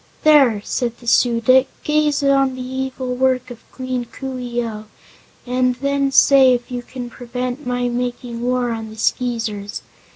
"There!" said the Su dic, "gaze on the evil work of Queen Coo ee oh, and then say if you can prevent my making war on the Skeezers.